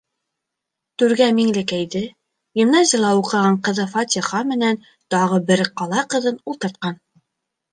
Түргә Миңлекәйҙе, гимназияла уҡыған ҡыҙы Фатиха менән тағы бер ҡала ҡыҙын ултыртҡан.